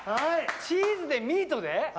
チーズでミートで？